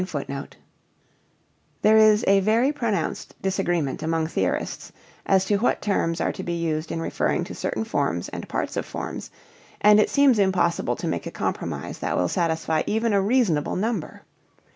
[Footnote 33: There is a very pronounced disagreement among theorists as to what terms are to be used in referring to certain forms and parts of forms and it seems impossible to make a compromise that will satisfy even a reasonable number.